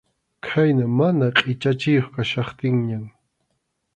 Khayna mana qʼichachiyuq kachkaptinñan.